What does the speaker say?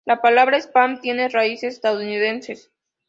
La palabra "spam" tiene raíces estadounidenses.